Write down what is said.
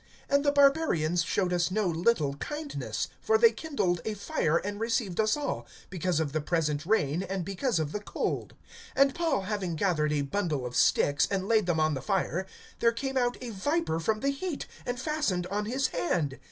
(2)And the barbarians showed us no little kindness; for they kindled a fire, and received us all, because of the present rain, and because of the cold. (3)And Paul having gathered a bundle of sticks, and laid them on the fire, there came out a viper from the heat, and fastened on his hand.